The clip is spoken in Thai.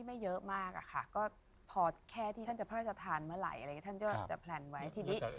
ก็พอแค่ที่ท่านจะพรรจทานเมื่อไหร่อะไรอย่างนี้ท่านจะแพลนไว้